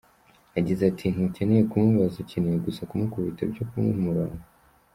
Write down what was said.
Yagize ati “ Ntukeneye kumubabaza, ukeneye gusa kumukubita byo kumuha umurongo.